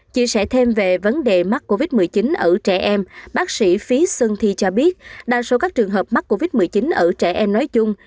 chia sẻ thêm về vấn đề mắc covid một mươi chín ở trẻ em bác sĩ phí xuân thi cho biết đa số các trường hợp mắc covid một mươi chín ở trẻ em nói chung